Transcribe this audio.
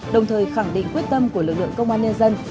đồng thời khẳng định quyết tâm của lực lượng công an nhân dân